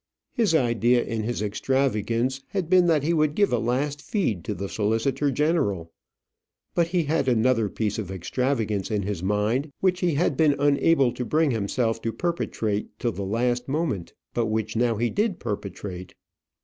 His idea, in his extravagance, had been that he would give a last feed to the solicitor general. But he had another piece of extravagance in his mind, which he had been unable to bring himself to perpetrate till the last moment; but which now he did perpetrate.